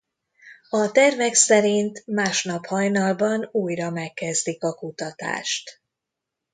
A tervek szerint másnap hajnalban újra megkezdik a kutatást.